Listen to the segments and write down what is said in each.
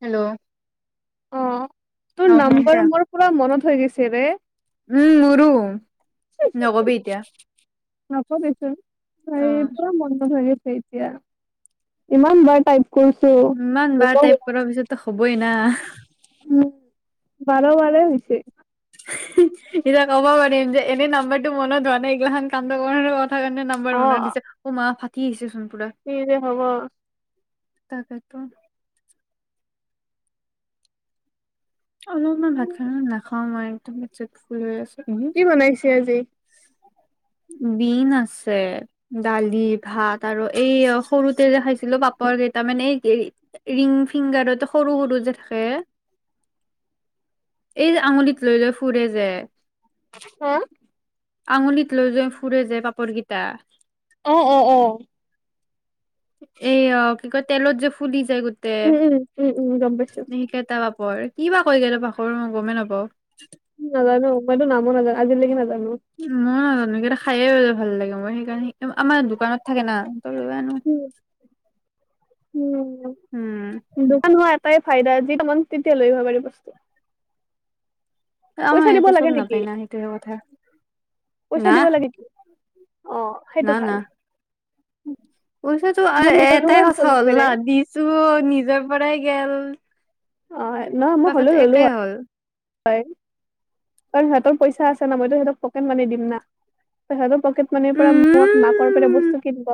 Hello. অঁ, তোৰ অ শুনিছা? নাম্বাৰ মোৰ পুৰা মনত হৈ গৈছে ৰে। উম মোৰো। নকবি এতিয়া নকবিচোন, অ হেৰি পুৰা মনটো ভৰি আছে। এতিয়া ইমান বাৰ টাইপ [inaudible] ইমান বাৰ টাইপ কৰাৰ পিছতো হ'বই না উম, বাৰে বাৰেই হৈছে। এতিয়া ক'ব পাৰিম যে এনে নাম্বাৰটো মনত হোৱা নাই এইগিলা কাণ্ড কৰিব কাৰণেহে কাৰণে নাম্বাৰ অ বনাই দিছে, অ মা ফাটি আহিছে চোন পুৰা। কি যে হব। তাকেতো। অলপমান ভাত খালো নাখাও মই একদম পেট চেট ফুল হৈ আছে। কি বনাইছে আজি? বিন আছে। দালি ভাত আৰু এই সৰুতে যে খাইছিলো, পাপৰ কেইটামান এই ৰিং ফিংগাৰতে সৰু সৰু যে থাকে। [inaudible] এইযে আঙুলিত লৈ লৈ ফুৰে যে। হা আঙুলিত লৈ লৈ ফুৰে যে পাপৰকেইটা। অ অ অ। এ অ কি কয় তেলত যে ফুলি যায় গো তে, উম উম উম উম গম পাইছো সেইকেটা পাপৰ কি বা কয় মই গমেই নাপাওঁ। নাজানো মইতো নামো নাজানো আজিলৈকে নাজানো। উম, মইয়ো নাজানো সেইকেইটা খায়ে ভাল লাগে মোৰ সেইকাৰণে আমাৰ দোকানত থাকে না, উম দোকানত। তাই ফাইদা [unintelligible] মন তেতিয়া লৈ আহিব পাৰি বস্তু অ', পইচা দিব ইয়াতে চব লাগে নেকি নাপায় ন সেইটোহে কথা। না পইচা দিব লাগে কি অ', সেইটো ভাল। পইছাতো নহলে পইচা এটাই কথা চলিব হ'ল পাৰে না দিছো নিজৰ পৰাই গল। অ', নহয় মই হলেও ল'লো হয়। হ'ল হয়, কাৰণ সিহঁতৰ পইচা আছে ন মইতো সিহঁতক পকেট মানি দিম না, সিহঁতৰ পকেট মানিৰ পৰা মোক মাকৰ পৰা উম বস্তু কিনিব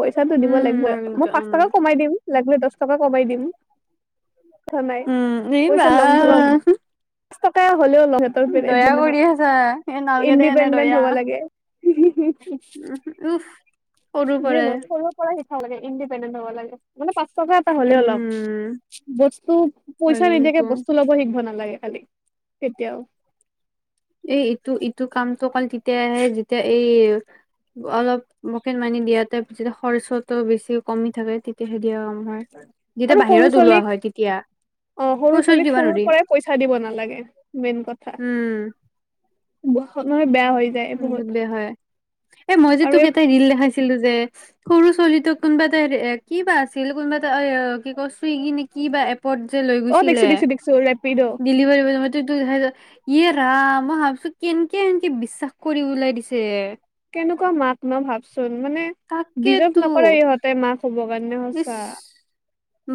পইছাতো দিব উম লাগিবই, মই পাঁচ উম টকা কমাই দিম লাগিলে দহ টকা কমাই দিম। কথা নাই, উম এই পইচা ল'মতো বা ল'ম। পাঁচ টকা হলেও লম সিহঁতৰ পৰা দয়া যি কৰি আছা এ নহওক নালগে দে এনে দয়া ইণ্ডিপেণ্ডেণ্ট হব লাগে। উফ সৰুৰ পৰাই [unintelligible] পৰা শিকাব লাগে ইণ্ডিপেণ্ডেণ্ট হব লাগে মানে পাঁচ টকা এটা হলেও লম, উম বস্তু হয় পইচা কিন্তু নিদিয়াকে বস্তু ল'ব শিকিব না লাগে খালি কেতিয়াও। এই ইটো ইটো কামটো অকল তেতিয়াহে যেতিয়া এই অলপ পকেট মানি দিয়াতে যেতিয়া খৰচাটো বেছি কমি থাকে তেতিয়াহে দিয়ে আমাৰ। আৰু যেতিয়া সৰু বাহিৰত ওলোৱা ছোৱালীক হয় তেতিয়া। অ', সৰু খৰচত ছোৱালীক দিবা সৰুৰ নোৱাৰি পৰাই পইচা দিব নালাগে, মেইন কথা। উম [unintelligible] মানে বেয়া হৈ যায় বহুত [unintelligible] বেয়া হয়। এ মই যে আৰু তোক এই এটা ৰীল দেখাইছিলো যে সৰু ছোৱালীতোক কোনোবা এটা [unintelligible] এ কিবা আছিল কোনোবা এটা কি কয় চুইগি নে কিবা এপ [unintelligible] যে লৈ অ দেখিছো গৈছিলে দেখিছো দেখিছো ৰেপিড' ডেলিভাৰ [unintelligible] ইয়ে ৰাম মই ভাবিছো কেনেকে এনকে বিশ্বাস কৰি ওলাই দিছে। কেনেকুৱা মাক ন ভাবচোন, মানে তাকেতো বিজাৰ্ভ নকৰে ইহঁতে মাক হ'ব কাৰণে ইচ সঁচা।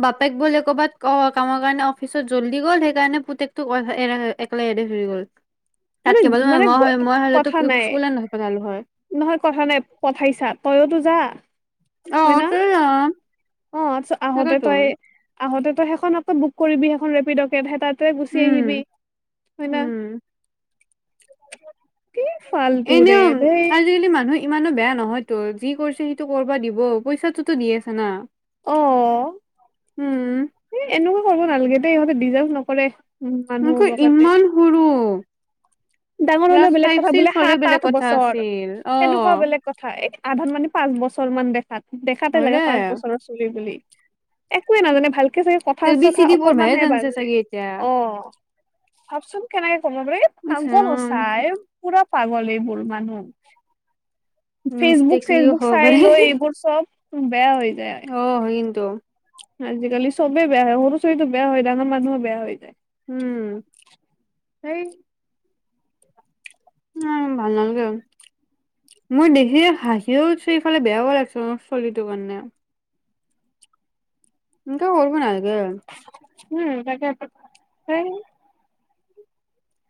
বাপেক বোলে ক'ৰবাত কামৰ কাৰণে অফিচত জল্দি গ'ল সেইকাৰণে পুতেকটোক [unintelligible] একেলাই এৰি থৈ গ'ল। [inaudible] তাত [unintelligible] মানে মই মই হলেতো কথা নাই স্কুলে নপঠালো হয়। নহয় কথা নাই পঠাইছা, তইয়োতো যা। অ হয় না, তই ৰাম, অ', [unintelligible] আহোঁতে তাকেতো তই আহোঁতে তই সেইখনকে বুক কৰিবি, সেইখন ৰেপিডকে সেই তাতে গুচি উম আহিবি। হয় না? উম কি ফাল্টু ৰে এনেও দেই আজিকালি মানুহ ইমানো বেয়া নহয় তো, যি কৰিছে সেইটো কৰিবা দিব, পইচাটোতো দি আছে না। অ উম। এ, এনেকুৱা কৰিব নালাগে দেই ইহঁতে ডিজাৰ্ভ নকৰে। উম মানুহ তাকো হ'বৰ কাৰণে। ইমান সৰু। ডাঙৰ হলেও ক্লাছ বেলেগ ফাইভ কথা, ছিক্স বোলে হ'লে সাত বেলেগ আঠ কথা বছৰ, আছিল অ তেনেকুৱা বেলেগ কথা। হয়, আধা মানে পাঁচ বছৰ মান দেখাত, দেখাতে হয় দে লাগে পাঁচ বছৰৰ [unintelligible] বুলি একোৱে নাজানে ভালকে চাগে কথা এ বি চি চথা ডি পঢ়বাহে অকমান হে জানছে বাজে, চাগে এতিয়া অ'। ভাবচোন কেনেকে কৰব পাৰে, এই ইছ পাগল ৰাম সঁচাই। পোৰা পাগল এইবোৰ মানুহ। ফেচবুক মিষ্টেকলিও চেচবুক হ'ব চাই পাৰে লৈ এইবোৰ চব বেয়া হৈ যায়। অ', হয় কিন্তু। আজিকালি চবেই বেয়া হয়, সৰু চলিতো বেয়া হয়, ডাঙৰ মানুহো বেয়া হৈ যায়। উম। সেই। উম', ভাল নালাগে আৰু। মোৰ দেখি হাঁহিওঁ উঠিছি সেইফালে বেয়াওঁ লাগিছে, মোৰ চলীৰটোৰ কাৰণে। এনেকে কৰিব নালাগে। উম', তাকে সেই।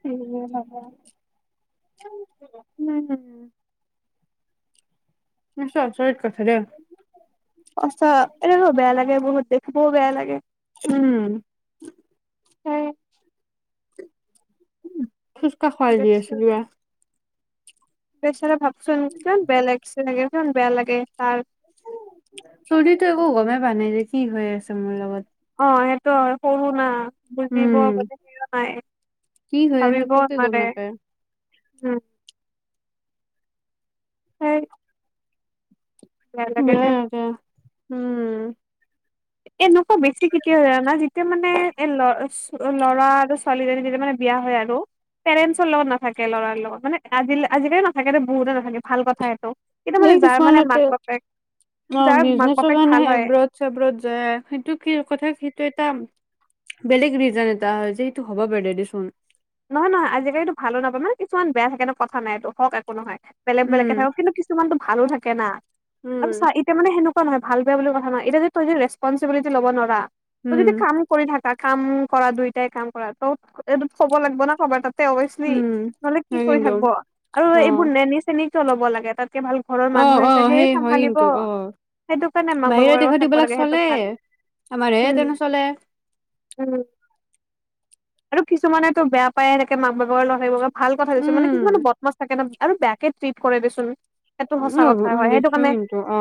উম', নাই নাই। আচৰিত কথা দেই! সঁচা এনে- বেয়া লাগে বহুত, দেখিবওঁ বেয়া লাগে। উম',। সেই। কাক খোৱাই দি আছিলো বা? বেছেৰা ভাঁবচোন কিমান বেয়া লাগ'ছে চাগে, কিমান বেয়া লাগে তাৰ। চলিটো একো গমেই পা নাই যে, কি হৈ আছে মোৰ লগত। অ', সেইটো হয় সৰু না। বুজিব উম হোৱা নাই, কি হৈ আছে ভাবিবওঁ একোকে হোৱা গম নাই। নাপায় উম',। হয়',। দে বেয়াই লাগে। উম',। এনেকুৱা বেছি কেতিয়া জানা না, যেতিয়া মানে এ' ল'- ল'ৰা আৰু ছোৱালীজনী তেতিয়া মানে বিয়া হয় আৰু। পেৰেণ্টছৰ লগত নাথাকে লৰাৰ লগত, মানে আজিল আজিকালি নাথাকে বহুতে নাথাকে, ভাল কথা এইটো। কিন্তু, এই মানে যাৰ মানে কিছুমানতে মাক বাপেক, অ যাৰ মাক বিজনেচৰ বাপেক কাৰণে ভাল হয়। এব্ৰত যায় সেইটো কি কথা সেইটো এটা বেলেগ ৰিজন এটা, যিটো হ'ব পাৰে দেচোন। নহয় নহয় আজিকালিতো ভালো নাপায় মানে কিছুমান বেয়া থাকে ন' কথা নাই, সেইটো হওঁ একো নহয় বেলেগ বেলেগ কে উম থাকক। কিন্তু কিছুমানতো ভালো থাকে না' আৰু চা উম এতিয়া মানে সেনেকুৱা ভাল বেয়া বুলি কথা নাই, এতিয়া তই যদি ৰেচপঞ্চিবিলিটি ল'ব নোৱাৰা। তই যদি উম কাম কৰি থাকা কাম কৰা দুইটাই কাম কৰা তৌ, এইটো কব লাগিব না কাবা তাত অবয়চমি, উম নহলে কি হয় কৰি কিন্তু থাকিব, আৰু অ এইবোৰ নেনি-চেনি কিয় ল'ব লাগে। তাতকে ভাল ঘৰৰ অ মানুহে অ আছে সেইয়ে সেই হয় চম্ভালিব, কিন্তু অ সেইটো কাৰণে মাক বাহিৰা বাপেকৰ লগত দেশত থাকিব এইবিলাক লাগে সেইটো চলে ভাল। আমাৰ এ' উম তেনে চলে। উম', আৰু কিছুমানেতো বেয়া পায় থাকে মাক বাপেকৰ লগত থাকিব ভাল কথা দেচোন, উম কিছুমানে বদমাছ থাকে ন' আৰু বেয়াকে ট্ৰিত কৰে দেচোন। সেইটো সঁচা কথা উ হয় সেইটো দেখছো কাৰণে, কিন্তু অ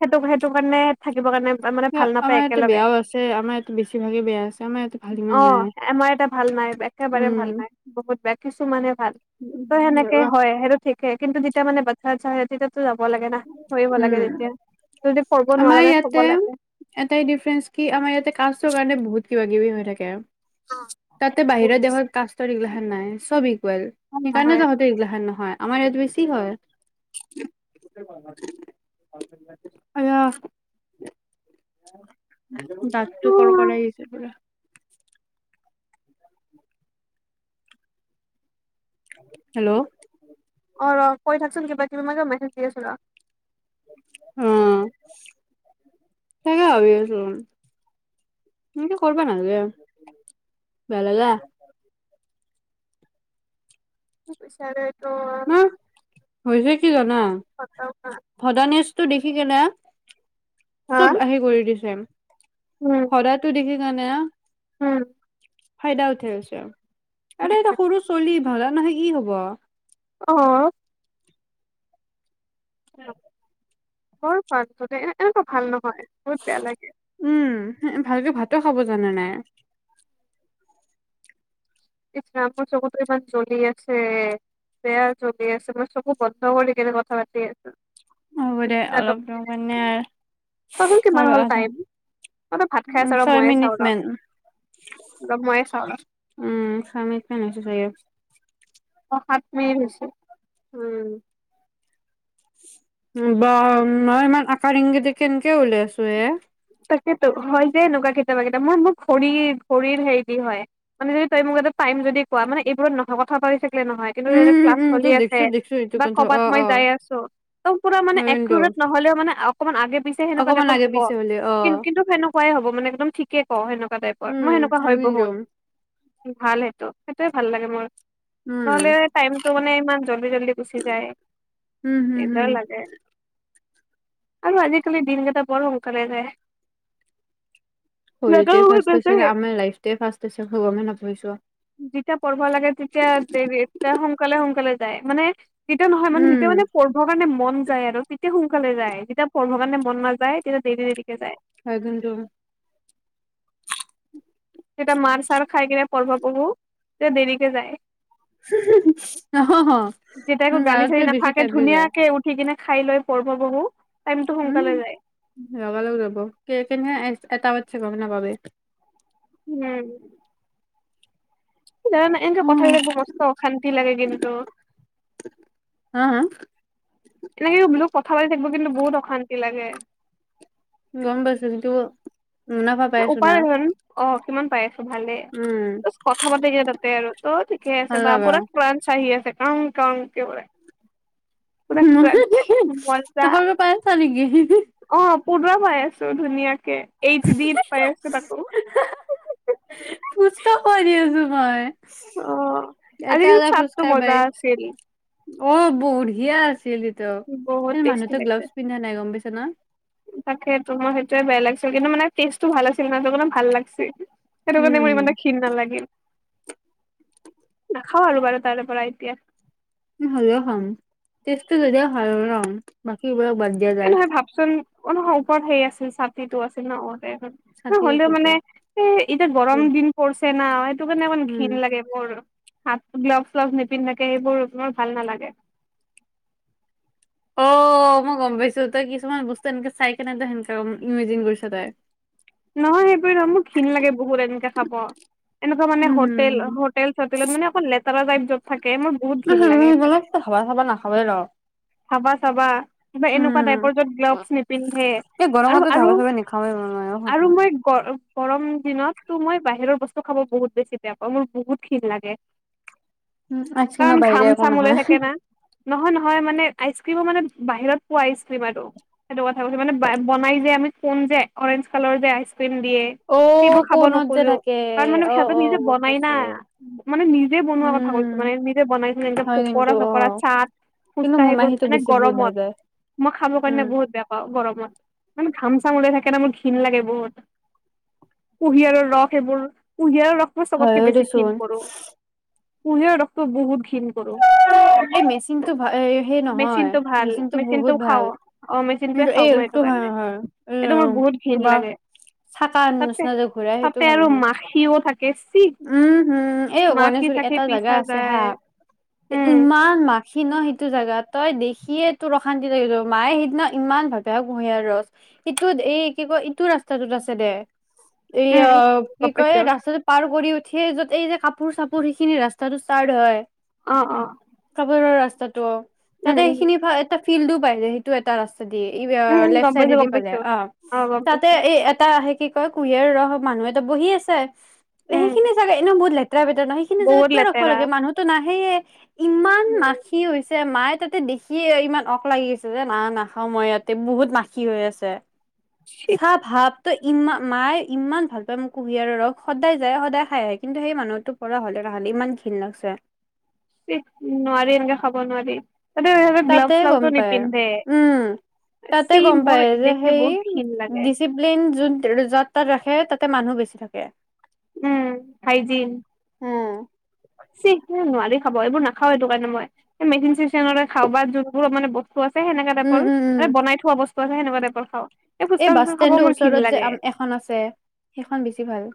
সেইটো- সেইটো কাৰণে থাকিবৰ কাৰণে মানে ভাল নাপায় আমাৰ ইয়াতে একেলগে। বেয়াও আছে আমাৰ ইয়াতে বেছিভাগে বেয়া আছে আমাৰ ইয়াতে ভাল ইমান অ',। নাই আমাৰ এটা ভাল নাই ব' একেবাৰে ভাল উম নাই, বহুত বেয়া কিছুমানে ভাল ত' সেনেকে হয়। সেইটো ঠিকে কিন্তু, যেতিয়া মানে বাতচাচ আহে তেতিয়া যাব লাগে না ধৰিব লাগে উম তেতিয়া, যদি কৰিব আমাৰ নোৱাৰা ন' ইয়াতে থব লাগে। এটাই ডিফাৰেন্স কি আমাৰ ইয়াতে কাষ্টৰ কাৰণে বহুত কিবা কিবি হৈ থাকে। অ',। তাতে বাহিৰৰ দেশত কাষ্ট এগিলাখণ নাই। চব ইকুৱেল ভাল সেইকাৰণে নহয় তহঁতৰ এইগিলাখন নহয় আমাৰ ইয়াত বেছি হয়। অয় দাতটো কৰ কৰাই আহিছে পোৰা। হেল্ল'! অ' ৰহ কৈ থাকচোন কিবা-কিবি, মানে মই মেছেজ দি আছোঁ ৰহ। [unintelligible] সঁচাকে ভাবি আছিলোঁ। তুমি কৰবা নালাগে, বেলেগে মোক পেছা নাই। না হৈছে কি জানা? [unintelligible] ভদা নিজটো দেখি কেনে, হা চ'ব আহি কৰি দিছে। উম। ভদাতো দেখি কাৰণে উম। হয় দে উঠে আছে, উম, আৰে এটা তাকে। সৰু ছোৱালী ভদা নহয় কি হ'ব। অহ'। অ' বৰ ভাল ত' এ-এনেকুৱা ভাল নহয়, বহুত বেয়া লাগে। উম, উহু ভালকে ভাতো খাব জানা নাই। ইছ ৰাম, মোৰ চকুতো ইমান জ্বলি আছে। বেয়া জলি আছে, মই চকু বন্ধ কৰি গিলে কেনেকে কথা পাতি আছোঁ। হ'ব দে অলপ ৰ মানে [inaudible] ক'চোন কিমান আৰু হ'ল আধা টাইম। অ' তই ভাত খাই আছ উম, ৰহ, ছয় মইয়ে চাওঁ। মিনিট মান অলপ মইয়ে চাওঁ ৰহ। উম' চাবিছা মেছেজ আহি আছে। অ' সাত মিনিট হৈছে। উম'। বা, মই ইমান আকাৰ ইংগিতে কেনেকে উলিয়াই আছোঁ, এ তাকেতো হয় দে, এনেকুৱা কেতিয়াবা কেতিয়াবা মোৰ মোৰ কগ, খৰিৰ হেৰি দি হয়। মানে, সেই তই মোক এটা টাইম যদি কোৱা, মানে এইবোৰত নোহোৱা কথা পাতি থাকিলে নহয়। মন বম উম, কিন্তু ক্লাছ উম, উম, চলি তই আছে। দেখছো দেখছো এইটো বা কথা ক'বাত অ', মই অ', যাই আছোঁ। একদম পুৰা মানে হয় কিন্তু একুৰেট নহ'লেও মানে, অকনমান আগে-পিছে সেনেকুৱা টাইপ লাগে পিছে হ'লেও। কিন-কিন্তু সেনেকুৱাই হ'ব মানে, একদম থিকে কওঁ সেনেকুৱা টাইপ, উম, মই সেনেুৱা হয় কিন্তু বহুত। ভাল সেইটো, সেইটোয়ে ভাল লাগে মোৰ। নহ'লে, উম, টাইমটো মানে ইমান জল্দি জল্দি গুচি যায়। উম, হম দিগদাৰ হম। লাগে। আৰু আজিকালি দিন কেইটা বৰ সোনকালে যায়। শৰীৰটোৱে ফাষ্ট হৈছেনে, আমাৰ লাইফটোৱে ফাষ্ট হৈছে, আমি গমেই নপাইছো। যেতিয়া পঢ়িব লাগে, তেতিয়া দেৰি, তেতিয়া সোনকালে সোনকালে যায়। মানে তেতিয়া নহয় মানে, তেতিয়া মানে উম। পঢ় ঢ়িব কাৰণে মন যায় আৰু তেতিয়া সোনকালে যায়, যেতিয়া পঢ়িব কাৰণে মন নাযায় তেতিয়া দেৰি দেৰিকৈ যায়। হয়, কিন্তু যেতিয়া মাৰ-চাৰ খাই কিনে পঢ়িব বহো, তেতিয়া দেৰিকে যায়। যেতিয়া একো উম, তাতকে গালি-চালি বেছি নাথাকে, টাইম দি যায় ধুনীয়াকে উ সিদিনা খাই লৈ পঢ়িব বহো, টাইমতো উম। সোনকালে যায়। লগা-লগ যাব, কে-কেনে এ-এটা বাজিছে, গম নাপাবি। উম। জানানে এনেকে কথা উম, বিলাক মস্ত অশান্তি লাগে, কিন্তু হা, হা। এনেকে বোলো কথা পাতি থাকিব কিন্তু বহুত অশান্তি লাগে। গম পাইছো কিন্তু মুনাফা পাইছো না উপায় হেন অ কিমান পাই। ভালে উম ত কথা পাতি কি তাতে আৰু ত ঠিকে আছে ভাল বা লগা পুৰা ক্লাছ আহি আছে কাওঁন কাওঁন কে বোলে। মজা [inaudible] পাই আছা নেকি [inaudible] অ পৰুৱা পাই আছো ধুনীয়াকে এইচ ডি পাই আছো তাকো। [inaudible] কৰি আছো মই। অ আজি এটা কিন্তু [inaudible] চাটটো মজা আছিল বাৰীত। অ বঢ়িয়া আছিল সেইতো বহুত কিন্তু টেষ্টি মানুহতো লাগিছে। গ্লাভছ পিন্ধা নাই গম পাইছা না। তাকে তো মোৰ সেইটোয়ে বেয়া লাগিছিল কিন্তু মানে টেষ্টটো ভাল আছিল ন সেইটো কাৰণে ভাল লাগছি। সেইটো কাৰণে মোৰ উম ইমান এটা ঘিণ নালাগিল। নাখাওঁ আৰু বাৰু তাৰে পৰা এতিয়া। হলেও খাম টেষ্টটো যদিও ভাল ন বাকী এইবিলাক বাদ দিয়া যায়। চোন অ নহয় ওপৰত সেই আছিল ছাতিটো আছিল ন আগতে। ন চাকি হ'লেও আছিলতো মানে এ এতিয়া গৰম দিন পৰিছে না সেইটো কাৰণে অকমান উম ঘিণ লাগে। [inaudible] হাত গ্লভচ চলভ নিপিন্ধাকে সেইবোৰ তোমাৰ ভাল নালাগে। অ মই গম পাইছো তই কিছুমান বস্তু এনেকে চাই কেনে তই সেনেকৈ ইমেজিন কৰিছ তই। নহয় সেইবোৰ নহয় মোৰ ঘিণ লাগে বহুত এনেকে খাব। এনেকুৱা মানে হোটেল উম, হোটেল চোটেলত মানে অকল লেতেৰা টাইপ য'ত থাকে মোৰ বহুত ঘিন লাগে। অলপ ত [inaudible] হাবা চাবা কিবা এনেকুৱা টাইপৰ যত গ্লভছ নিপিন্ধে এই গৰমতো আৰু আৰু [inaudible] আৰু মই গ গৰম দিনততো মই বাহিৰৰ বস্তু খাব বহুত বেছি বেয়া পাওঁ মোৰ বহুত ঘিণ লাগে। আইচক্ৰীমৰ কাৰণ বাহিৰে ঘাম একো চাম ওলাই নাখায়। থাকে না। নহয় নহয় মানে আইচক্ৰীমো মানে বাহিৰত পোৱা আইচ ক্ৰীম আৰু সেইটো কথা কৈছে মানে বনাই যে আমি কোন যে অৰেঞ্জ কালাৰ যে আইচ ক্ৰীম দিয়ে অ', সেইবোৰ খাব কোণত যে নোখোজো থাকে কাৰণ মানে অ', সিহঁত অ', নিজে গম বনাই পাইছো। নাই মানে নিজ নিজে বনোৱাৰ কথা কৈছো উম, মানে নিজে বনাই যে হয় কিন্তু পকোৰা চকৰা অ', চাট কিন্তু ফুচকা মোৰ সেইবোৰ মাহীটো মানে বেছি বহুত গৰমত ভাজাই। মই খাবৰ কাৰণে উম। বহুত বেয়া পাও গৰমত মানে ঘাম চাম উলাই থাকে ন মোৰ ঘিন লাগে বহুত কুঁহিয়াৰৰ ৰস এইবোৰ কুঁহিয়াৰৰ ৰস মই চবতকে হয়ও বেছি ঘিণ দেচোন কৰো, কুঁহিয়াৰ ৰসটো বহুত ঘিণ কৰো। এই মেচিন টো ভা সেই নহয় মেচিনটো ভাল মেচিন টো মেচিনটো বহুত খাও ভাল। অ মেচিনটোৱে কিন্তু খাও মই এইটো ভাল কাৰণে নহয় এই এইটো মোৰ বহুত ঘিণ কিবা লাগে। চাকা তাতে নিচিনা যে ঘূৰাই সেইটো তাতে ভাল আৰু নহয়। মাখিও থাকে চি। উম হম এই মাখি গণেশগুৰি চাখি এটা জাগা পিচা আছে হা যায় উম। ইমান মাখি ন সিটো জেগা তই দেখিয়ে তোৰ অশান্তি লাগি যাব, মায়ে সেইদিনা ইমান ভাল পায় কুঁহিয়াৰ ৰস, ইটোত এই কি কয় ইটো ৰাস্তাটোত আছে দে উম এয়া উম কি গম পাইছো কয় ৰাস্তটোত পাৰ কৰি উঠিয় যত এই যে কাপোৰ চাপোৰ সেইখিনি ৰাস্তাটো ষ্টাৰ্ট হয়। অঁ অ। কাপোৰৰ ৰাস্তাটো উম তাতে উম সেইখিনি এটা ফিল্ডো পাই যায় সেইটো এটা ৰা স্তা দি উম এইবাৰ উম লেফট গম পাইছো চাইডে দি গম পাই জাই, পাইছো অ গম তাতে পাইছো এই এটা কি কয় কুঁহিয়াৰ ৰস মানুহ এটা বহি আছে, উম সেইখিনি জগা এনে বহুত লেতেৰা বেতেৰা ন। সিনি জগাত বহুত কিয় ৰাখিব লেতেৰা লাগে মানুহতো নাহেয়ে ইমান উম মাখি হৈছে মায়ে তাতে দেখি। কি ইমান অক লাগি আছে যে না, নাখাওঁ মই ইয়াতে বহুত নাখি হৈ আছে। চি চাহ ভাৱ। ত' ই মায়ে ইমান ভাল পায় মোক কুঁহিয়াৰ ৰস সদায় যায় সদায় খাই আহে কিন্তু সেই মানুহতোক। কৰা হ'লে নহ'লে ইমান ঘিণ লাগছে। নোৱাৰি এনেকে খাব নোৱাৰি তাতে সিহঁতে, তাতে গ্লাভ গম চ্লাভছো পায় নিপিন্ধে। উম তাতে চি গম মোৰ দেখি বহুত ক্ষীণ লাগে। প্লাইন যত যাত তাত ৰাখে তাতে মানুহ বেছি থাকে। উম, হাইজীন। উম। চি, নোৱাৰি খাব এইবোৰ নাখাও সেইটো কাৰণে মই মেচিন চিচৰে খাও, বা যোনবোৰ মানে বস্তু বস্তু আছে, সেনেকা উম টাইৰ উম উম মান বনাই থোৱা বস্তু আছে সেনেুৱা টাইৰ খাওঁ। এই ফুচকা বাছ চুচকা খাব ষ্টেণ্ডৰ মোৰ ঘিণ ওচৰত যে, লাগে এখন আছে সেইখন বেছি ভাল।